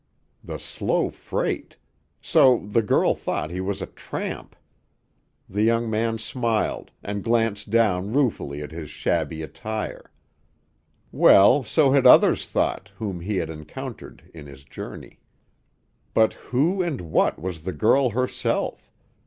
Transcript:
The slow freight! So the girl thought he was a tramp! The young man smiled, and glanced down ruefully at his shabby attire. Well, so had others thought, whom he had encountered in his journey. But who and what was the girl herself?